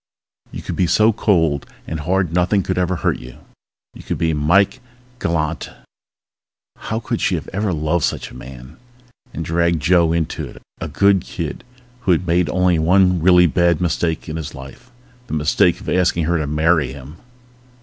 You could be so cold and hard nothing could ever hurt you. You could be Mike Galante ... How could she have loved such a man? And dragged Joe into it, a good kid who had made only one really bad mistake in his life the mistake of asking her to marry him.